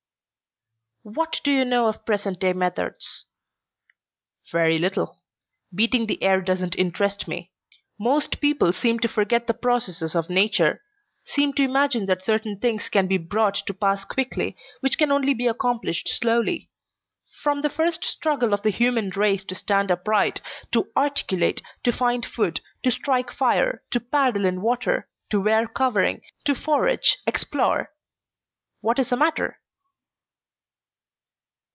"What do you know of present day methods?" "Very little. Beating the air doesn't interest me. Most people seem to forget the processes of nature; seem to imagine that certain things can be brought to pass quickly which can only be accomplished slowly. From the first struggle of the human race to stand upright, to articulate, to find food, to strike fire, to paddle in water, to wear covering, to forage, explore What is the matter?"